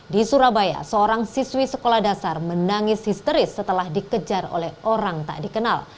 di surabaya seorang siswi sekolah dasar menangis histeris setelah dikejar oleh orang tak dikenal